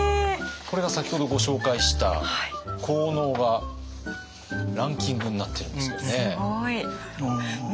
これが先ほどご紹介した効能がランキングになってるんですけどね。